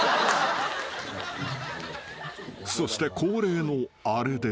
［そして恒例のあれです］